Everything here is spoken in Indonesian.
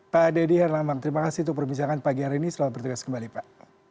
pak dedy herlambang terima kasih untuk perbincangan pagi hari ini selamat bertugas kembali pak